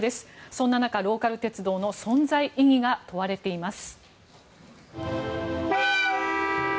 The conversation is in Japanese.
そんな中、ローカル鉄道の存在意義が問われています。